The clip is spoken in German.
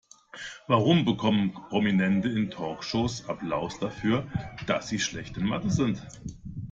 Warum bekommen Prominente in Talkshows Applaus dafür, dass sie schlecht in Mathe sind?